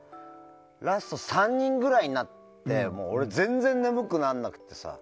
ラスト３人ぐらいになって俺、全然眠くならなくてさ。